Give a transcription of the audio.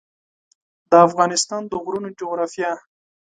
د افغانستان د غرونو جغرافیه